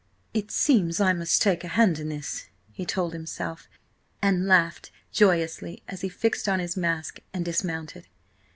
"It seems I must take a hand in this," he told himself, and laughed joyously as he fixed on his mask and dismounted.